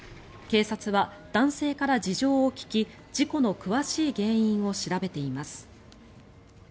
警察は男性から事情を聴き事故の詳しい原因を調べています。